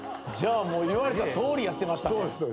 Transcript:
じゃあもう言われたとおりやってましたね。